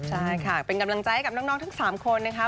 ใช่ค่ะเป็นกำลังใจให้กับน้องทั้ง๓คนนะคะ